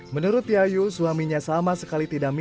menurut yayu suaminya sama sekali tidak minum